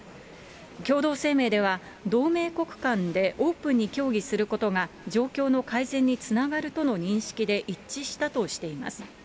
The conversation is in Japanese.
共同声明では、同盟国間でオープンに協議することが、状況の改善につながるとの認識で一致したとしています。